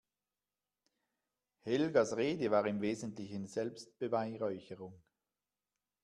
Helgas Rede war im Wesentlichen Selbstbeweihräucherung.